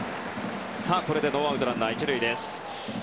ノーアウト、ランナー１塁です。